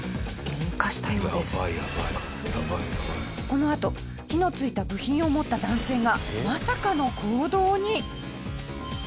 このあと火のついた部品を持った男性がまさかの行動に！